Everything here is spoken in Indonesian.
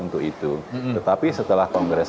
untuk itu tetapi setelah kongres